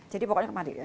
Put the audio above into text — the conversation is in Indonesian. jadi pokoknya kemandirian